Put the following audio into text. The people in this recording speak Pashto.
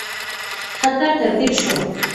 خطر تبدیل شو.